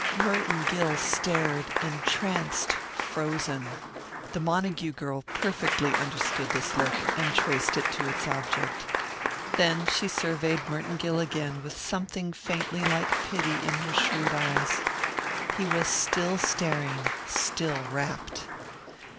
Merton Gill stared, entranced, frozen. The Montague girl perfectly understood this look and traced it to its object. Then she surveyed Merton Gill again with something faintly like pity in her shrewd eyes. He was still staring, still rapt.